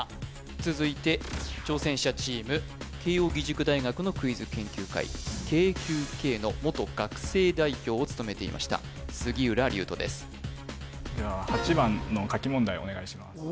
続いて挑戦者チーム慶應義塾大学のクイズ研究会ＫＱＫの元学生代表を務めていました杉浦隆斗ですでは８番の書き問題をお願いします